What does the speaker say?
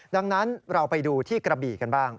ดังนั้นเราไปดูที่กระบี่กันบ้าง